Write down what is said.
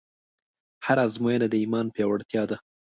هره ازموینه د ایمان پیاوړتیا ده.